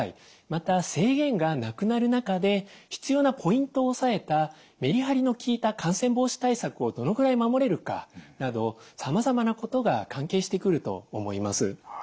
また制限がなくなる中で必要なポイントを押さえたメリハリの効いた感染防止対策をどのぐらい守れるかなどさまざまなことが関係してくると思います。